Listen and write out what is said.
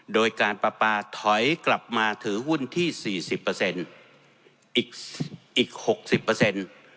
โดยการปราปาถอยกลับมาถือหุ้นที่สี่สิบเปอร์เซ็นต์อีกอีกหกสิบเปอร์เซ็นต์